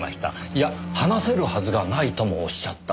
いや話せるはずがないともおっしゃった。